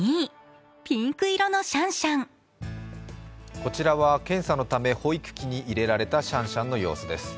こちらは検査のため保育器に入れられたシャンシャンの様子です。